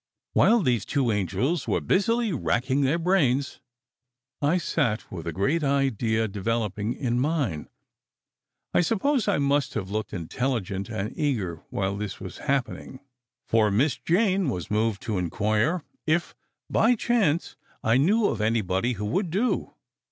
While these two angels were busily racking their brains, I sat with a great idea developing in mine. I suppose I must have looked intelligent and eager while this was happening, for Miss Jane was moved to inquire if, by chance, I knew of anybody who would do?